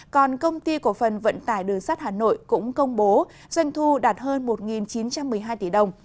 còn công ty cổ phần vận tải đường sắt hà nội cũng công bố doanh thu đạt hơn một chín trăm một mươi hai tỷ đồng